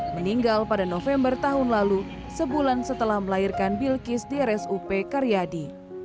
meninggal pada november tahun lalu sebulan setelah melahirkan bilkis di rsup karyadi